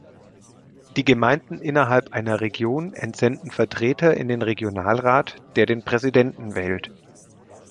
Die Gemeinden innerhalb einer Region entsenden Vertreter in den Regionalrat, der den Präsidenten wählt.